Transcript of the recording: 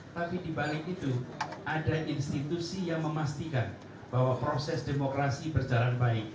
tapi dibalik itu ada institusi yang memastikan bahwa proses demokrasi berjalan baik